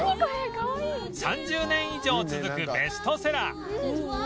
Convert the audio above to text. ３０年以上続くベストセラー